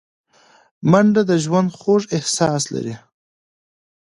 منډه د ژوند خوږ احساس لري